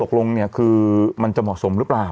ตกลงเนี่ยคือมันจะเหมาะสมหรือเปล่า